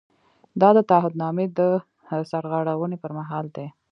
دا د تعهد نامې د سرغړونې پر مهال دی.